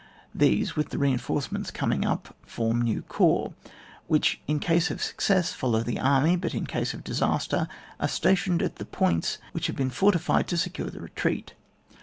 These, with the reinforcemeDts coming up, form now corps, which in case of success, follow the army, but in case of disaster, are stationed at the points which have been fortified to secure the retreat.